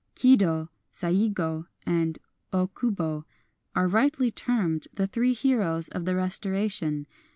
Kido, Saigo, and Okubo are rightly termed the three heroes of the restora tion.